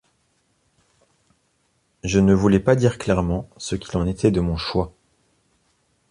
Je ne voulais pas dire clairement ce qu’il en était de mon choix.